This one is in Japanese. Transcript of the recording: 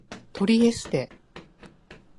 トリエステ